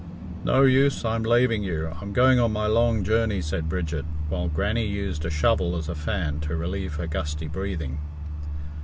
"No use; I'm laving you; I'm going on my long journey," said Bridget, while Granny used a shovel as a fan to relieve her gusty breathing.